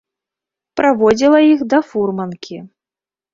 Праводзіла іх да фурманкі.